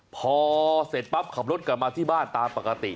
พอเสร็จปั๊บขับรถกลับมาที่บ้านตามปกติ